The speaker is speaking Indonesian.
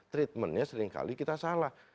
treatmentnya seringkali kita salah